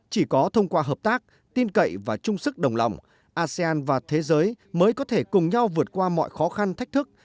chỉ có thông qua hợp tác tin cậy và trung sức đồng lòng asean và thế giới mới có thể cùng nhau vượt qua mọi khó khăn thách thức